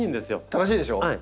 正しいでしょ？